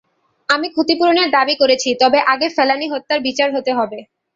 আমি ক্ষতিপূরণের দাবি করেছি, তবে আগে ফেলানী হত্যার বিচার হতে হবে।